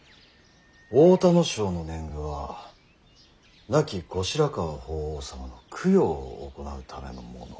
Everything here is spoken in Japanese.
太田荘の年貢は亡き後白河法皇様の供養を行うためのもの。